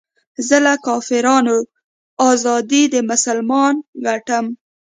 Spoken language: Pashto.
زه له کافرانو ازادي د مسلمان ګټم